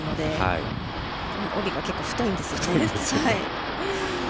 あの帯、結構太いんですよね。